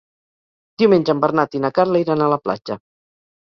Diumenge en Bernat i na Carla iran a la platja.